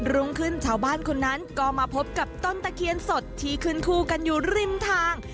รุ่งขึ้นชาวบ้านคนนั้นก็มาพบกับต้นตะเคียนสดที่ขึ้นคู่กันอยู่ริมทาง